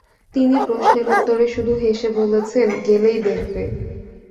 তিনি প্রশ্নের উত্তরে শুধু হেসে বলেছেন, গেলেই দেখবে।